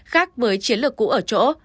khác với chiến lược cũ ở chỗ